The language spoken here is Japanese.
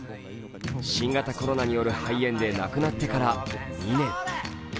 新型コロナによる肺炎で亡くなってから２年。